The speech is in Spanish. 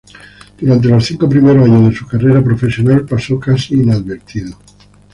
Durante los cinco primeros años de su carrera profesional pasó casi inadvertido.